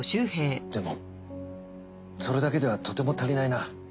でもそれだけではとても足りないな。